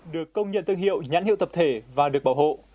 được công nhận thương hiệu nhãn hiệu tập thể và được bảo hộ